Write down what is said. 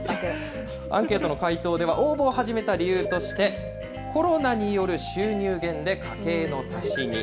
アンケートの回答では、応募を始めた理由として、コロナによる収入減で、家計の足しに。